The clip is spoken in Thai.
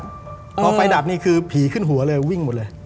พอไฟดับนี่คือผีขึ้นหัวเลยวิ่งหมดเลย